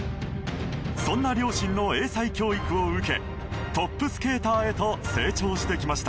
そんな両親の英才教育を受けトップスケーターへと成長してきました。